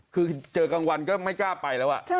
คือเจอกลางวันก็ไม่กล้าไปแล้ว